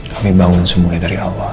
kami bangun semuanya dari awal